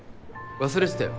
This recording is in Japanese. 忘れてたよ